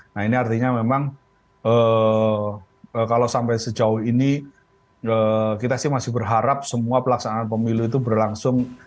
nah ini artinya memang kalau sampai sejauh ini kita sih masih berharap semua pelaksanaan pemilu itu berlangsung